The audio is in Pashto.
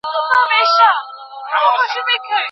د علم او پوهې په لور.